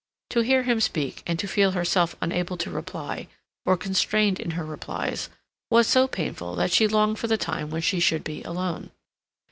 To hear him speak and to feel herself unable to reply, or constrained in her replies, was so painful that she longed for the time when she should be alone.